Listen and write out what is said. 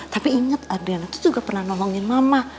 tapi inget adriana tuh juga pernah nolongin mama